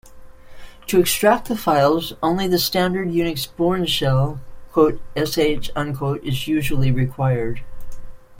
To extract the files, only the standard Unix Bourne shell "sh" is usually required.